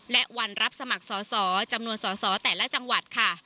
และวันรับสมัครสอสอจำนวนสอสอแต่ละจังหวัดค่ะ